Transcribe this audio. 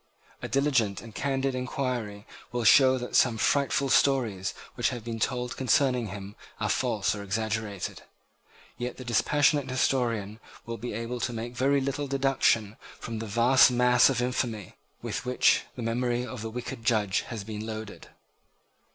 A diligent and candid enquiry will show that some frightful stories which have been told concerning him are false or exaggerated. Yet the dispassionate historian will be able to make very little deduction from the vast mass of infamy with which the memory of the wicked judge has been loaded.